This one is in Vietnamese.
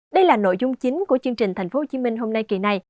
đây là nội dung chính của chương trình thành phố hồ chí minh hôm nay kỳ này